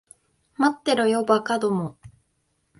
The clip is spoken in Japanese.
待ってろよ、馬鹿ども。